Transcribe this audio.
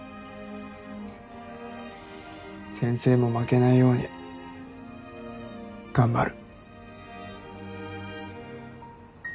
先生も負けないように頑張る。